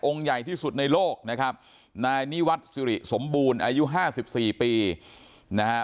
ใหญ่ที่สุดในโลกนะครับนายนิวัตรสิริสมบูรณ์อายุห้าสิบสี่ปีนะฮะ